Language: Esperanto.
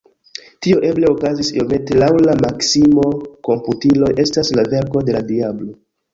Tio eble okazis iomete laŭ la maksimo “komputiloj estas la verko de la diablo.